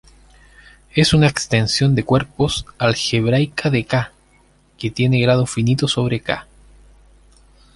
Es una extensión de cuerpos algebraica de "K" que tiene grado finito sobre "K".